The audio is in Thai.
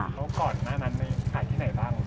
แล้วก่อนหน้านั้นหายที่ไหนบ้าง